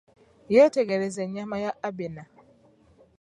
Yetegereza ennyama ya Abena.